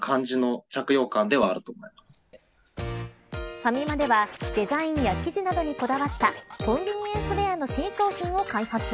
ファミマではデザインや生地などにこだわったコンビニエンスウェアの新商品を開発。